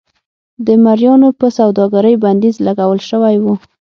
د مریانو پر سوداګرۍ بندیز لګول شوی و.